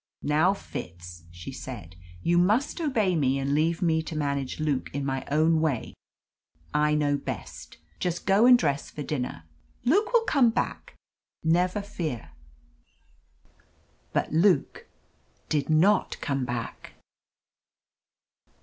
"Now, Fitz," she said, "you must obey me and leave me to manage Luke in my own way. I know best. Just go and dress for dinner. Luke will come back never fear." But Luke did not come back.